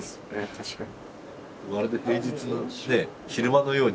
確かに。